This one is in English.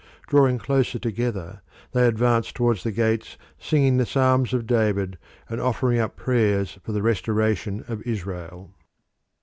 Drawing closer together, they advanced towards the gates singing the Psalms of David, and offering up prayers for the restoration of Israel.